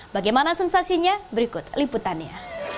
bagaimana sensasinya berikut liputannya